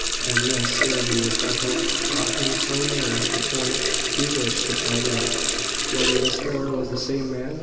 And this interview with Bethel brought him no nearer the point he wished to find out whether this Thorn was the same man.